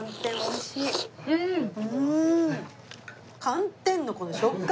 寒天のこの食感！